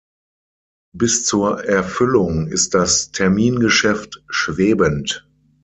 Bis zur Erfüllung ist das Termingeschäft schwebend.